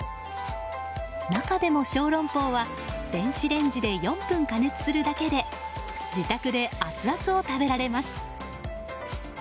中でも小龍包は電子レンジで４分加熱するだけで自宅でアツアツを食べられます。